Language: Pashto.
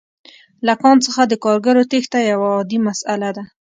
له کان څخه د کارګرو تېښته یوه عادي مسئله ده